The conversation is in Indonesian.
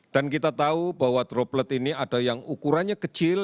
dan kita tahu bahwa droplet ini ada yang ukurannya kecil